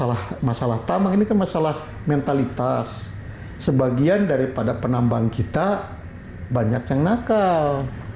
lagi lagi bukan karena masalah tambang ini kan masalah mentalitas sebagian daripada penambang kita banyak yang nakal